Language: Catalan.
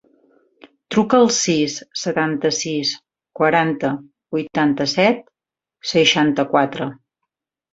Truca al sis, setanta-sis, quaranta, vuitanta-set, seixanta-quatre.